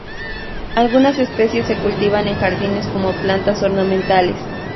Algunas especies se cultivan en jardines como plantas ornamentales.